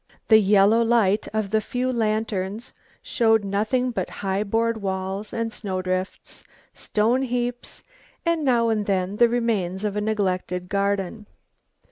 The yellow light of the few lanterns show nothing but high board walls and snow drifts, stone heaps, and now and then the remains of a neglected garden.